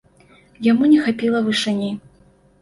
Яму не хапіла вышыні.